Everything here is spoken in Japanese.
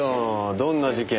どんな事件？